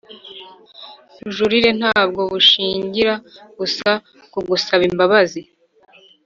bujurire Ntabwo bushingira gusa kugusaba imbabazi